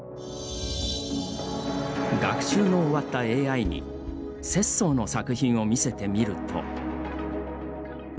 学習の終わったＡＩに拙宗の作品を見せてみると。